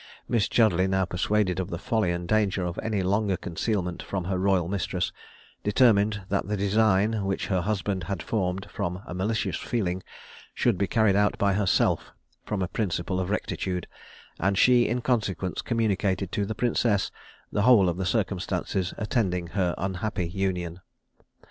Miss Chudleigh, now persuaded of the folly and danger of any longer concealment from her royal mistress, determined that the design, which her husband had formed from a malicious feeling, should be carried out by herself from a principle of rectitude; and she, in consequence, communicated to the princess the whole of the circumstances attending her unhappy union.